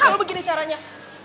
kalo begini caranya